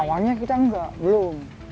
awalnya kita enggak belum